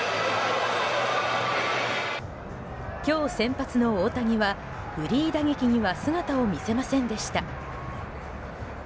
今日先発の大谷はフリー打撃には姿を見せませんでした。